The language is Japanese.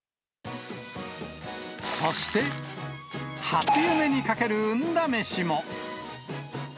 そして、初夢にかける運試しも。